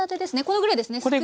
これぐらいですね。